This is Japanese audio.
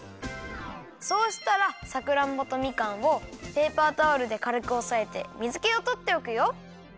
そうしたらさくらんぼとみかんをペーパータオルでかるくおさえて水けをとっておくよ。